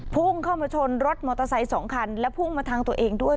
พุ่งเข้ามาชนรถมอเตอร์ไซค์๒คันและพุ่งมาทางตัวเองด้วย